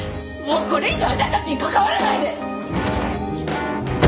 もうこれ以上私たちに関わらないで！